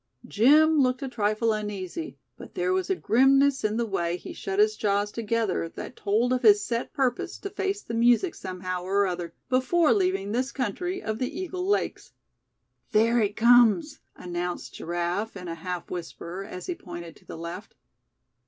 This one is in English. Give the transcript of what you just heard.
Jim looked a trifle uneasy, but there was a grimness in the way he shut his jaws together that told of his set purpose to face the music somehow or other, before leaving this country of the Eagle Lakes. "There it comes!" announced Giraffe, in a half whisper, as he pointed to the left.